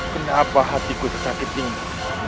kenapa hatiku tersakit ini